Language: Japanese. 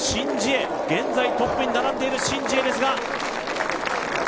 現在トップに並んでいるシン・ジエですが。